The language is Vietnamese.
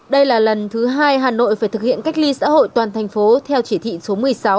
đây là lần thứ hai hà nội phải thực hiện cách ly xã hội toàn thành phố theo chỉ thị số một mươi sáu